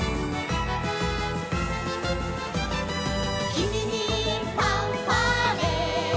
「君にファンファーレ」